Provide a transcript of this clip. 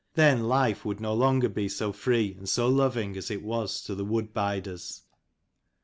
Then life would no longer be so free and so loving as it was to the wood biders.